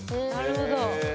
なるほど。